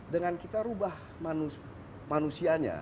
dengan kita merubah manusianya